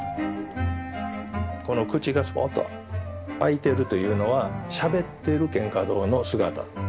この口がすぼっと開いてるというのはしゃべってる蒹葭堂の姿。